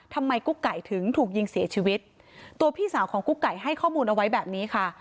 กุ๊กไก่ถึงถูกยิงเสียชีวิตตัวพี่สาวของกุ๊กไก่ให้ข้อมูลเอาไว้แบบนี้ค่ะ